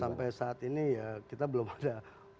sampai saat ini ya kita belum ada